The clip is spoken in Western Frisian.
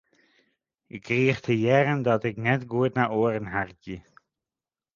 Ik krige te hearren dat ik net goed nei oaren harkje.